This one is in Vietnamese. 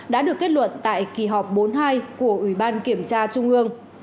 đã được kết luận tại kỳ họp bốn mươi hai của ủy ban kiểm tra trung ương